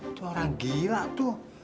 itu orang gila tuh